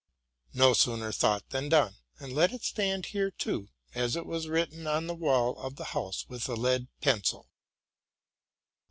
No sooner thought than done! And let it stand here too, as it was written on the wall of the house with a lead pencil.